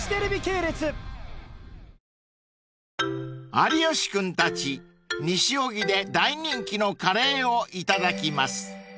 ［有吉君たち西荻で大人気のカレーをいただきます］